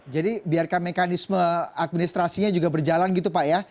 jadi biarkan mekanisme administrasinya juga berjalan gitu pak ya